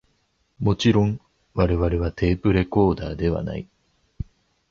もちろん我々はテープレコーダーではない